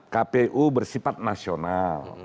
kpu bersifat nasional